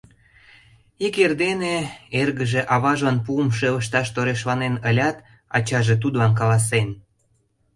«Ик эрдене эргыже аважлан пуым шелышташ торешланен ылят, ачаже тудлан каласен: